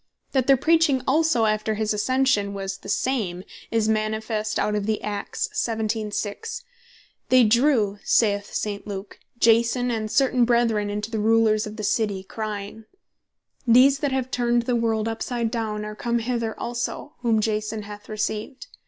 That their Preaching also after his ascension was the same, is manifest out of Acts 17.6. "They drew (saith St. Luke) Jason and certain Brethren unto the Rulers of the City, crying, These that have turned the world upside down are come hither also, whom Jason hath received.